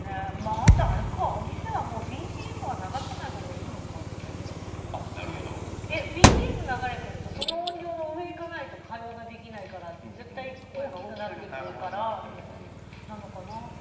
あと、お店はＢＧＭは流さないほうがいいのかなと思ってＢＧＭが流れているとその上をいかないと会話ができないから絶対に声が大きくなるからなのかな。